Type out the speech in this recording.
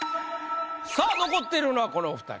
さあ残っているのはこのお二人。